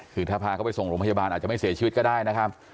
คือถ้าพาเขาไปส่งโรงพยาบาลอาจจะไม่เสียชีวิตก็ได้นะครับ